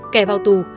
kẻ vào tù